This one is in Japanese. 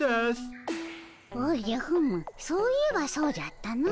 おじゃふむそういえばそうじゃったの。